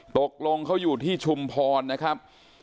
ตกลงเขาอยู่ที่ชุมพรนะครับ